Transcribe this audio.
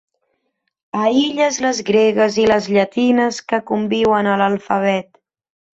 Aïlles les gregues i les llatines que conviuen a l'alfabet.